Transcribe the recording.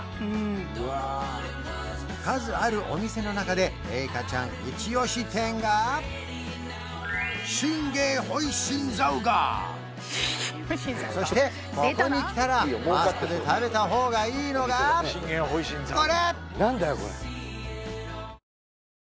数あるお店の中でレイカちゃんイチオシ店がそしてここに来たらマストで食べた方がいいのがこれ！